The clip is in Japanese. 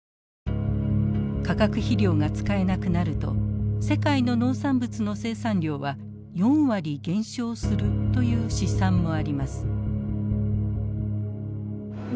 化学肥料が使えなくなると世界の農産物の生産量は４割減少するという試算もあります。